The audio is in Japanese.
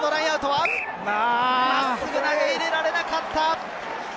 真っすぐ投げ入れられなかった。